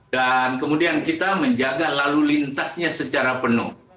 dan kemudian kita menjaga lalu lintasnya secara penuh